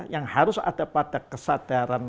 yang harus ada pada kesadaran